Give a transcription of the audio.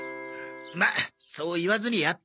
まあそう言わずにやってみろ。